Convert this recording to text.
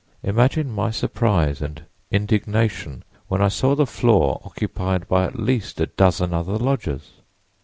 Imagine my surprise and indignation when I saw the floor occupied by at least a dozen other lodgers!